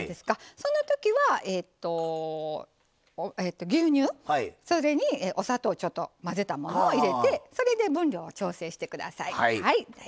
その時は牛乳それにお砂糖をちょっと混ぜたものを入れてそれで分量を調整して下さい。